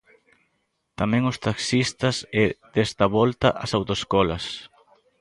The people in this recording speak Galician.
Tamén os taxistas e, desta volta, as autoescolas.